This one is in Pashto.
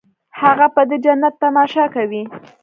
هغه به د جنت تماشه کوي.